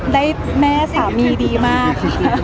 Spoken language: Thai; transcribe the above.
ได้แม่สามีดีมาก